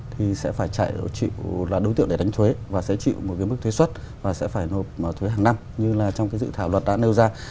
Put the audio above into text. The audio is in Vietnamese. tại đó chịu là đối tiệu để đánh thuế và sẽ chịu một cái mức thuế xuất và sẽ phải nộp thuế hàng năm như là trong cái dự thảo luật đã nêu ra